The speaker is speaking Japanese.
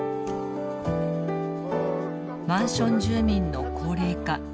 マンション住民の高齢化。